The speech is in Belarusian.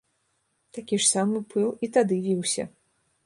Такі ж самы пыл і тады віўся.